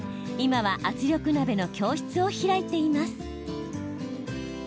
今は圧力鍋の教室を開いています。